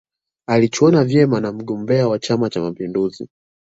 alichuana vyema na mgombea wa chama cha mapinduzi